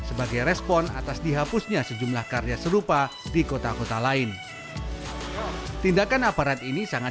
sebagai respon atas dihapusnya sejumlah karya serupa di kota kota lain tindakan aparat ini sangat